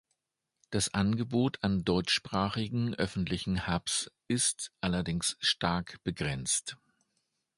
Das Angebot an deutschsprachigen öffentlichen Hubs ist allerdings stark begrenzt.